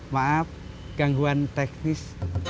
maaf gangguan teknis